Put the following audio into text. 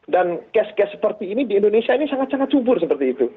dan case case seperti ini di indonesia ini sangat sangat subur seperti itu